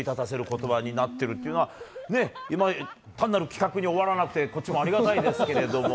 ことばになってるというのは、ね、単なる企画に終わらなくて、こっちもありがたいですけども。